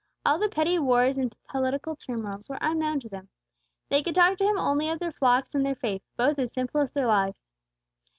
All the petty wars and political turmoils were unknown to them. They could talk to him only of their flocks and their faith, both as simple as their lives.